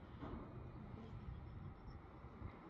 তাঁর বাবা মৃত্যুর আগে পাঁচজনের নাম বলে গেছেন বলে তিনি দাবি করেন।